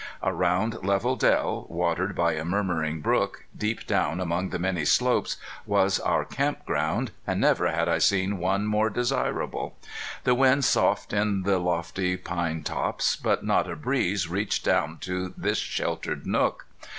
A round, level dell, watered by a murmuring brook, deep down among the many slopes, was our camp ground, and never had I seen one more desirable. The wind soughed in the lofty pine tops, but not a breeze reached down to this sheltered nook.